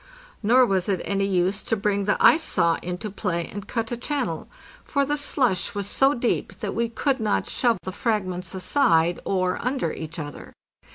Nor was it any use to bring the ice saw into play and cut a channel, for the slush was 656 APPENDIX so deep that we could not shove the fragments aside or under each other.